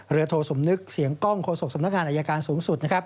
โทสมนึกเสียงกล้องโฆษกสำนักงานอายการสูงสุดนะครับ